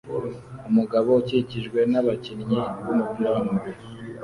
Umugabo ukikijwe nabakinnyi bumupira wamaguru